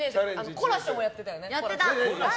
コラショもやってたよね。